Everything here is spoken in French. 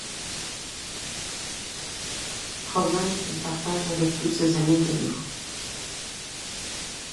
Problèmes qu'il partage avec tous ses amis cailloux.